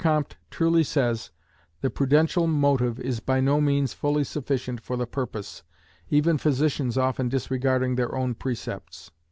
Comte truly says, the prudential motive is by no means fully sufficient for the purpose, even physicians often disregarding their own precepts.